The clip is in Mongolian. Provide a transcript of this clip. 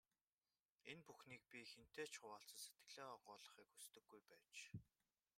Энэ бүхнийг би хэнтэй ч хуваалцаж, сэтгэлээ онгойлгохыг хүсдэггүй байж.